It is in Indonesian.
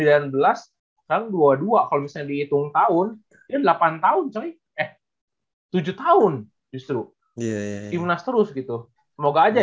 dua puluh dua kalau misalnya dihitung tahun dia delapan tahun coy eh tujuh tahun justru ya ya gimnas terus gitu semoga aja